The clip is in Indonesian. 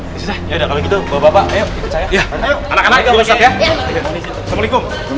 ya sudah kalau gitu bawa bapak ayo ikut saya